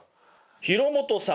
廣本さん